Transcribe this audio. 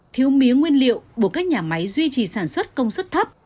thiếu mía nguyên liệu buộc các nhà máy duy trì sản xuất công suất thấp